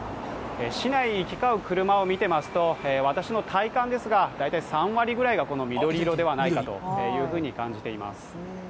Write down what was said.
市内行き交う車を見てますと私の体感ですが大体３割ぐらいが緑色ではないかというふうに感じています。